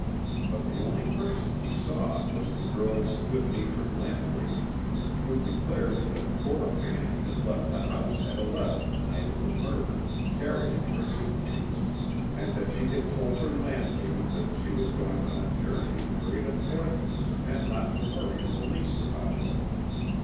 But the only person he saw was the girl's good natured landlady who declared that Cora Manning had left the house at eleven the night of the murder, carrying her suitcase and that she had told her landlady that she was going on a journey of great importance and not to worry in the least about her.